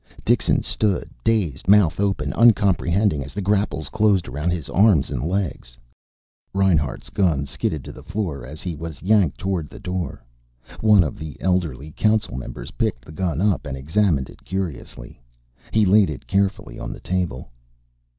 Dixon stood dazed, mouth open, uncomprehending, as the grapples closed around his arms and legs. Reinhart's gun skidded to the floor as he was yanked toward the door. One of the elderly Council members picked the gun up and examined it curiously. He laid it carefully on the table.